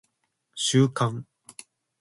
収監